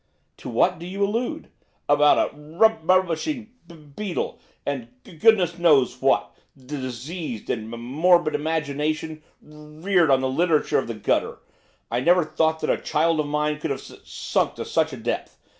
'To what do you allude?' 'About a rub rubbishing b beetle, and g goodness alone knows what, d diseased and m morbid imagination, r reared on the literature of the gutter! I never thought that a child of mine could have s sunk to such a depth!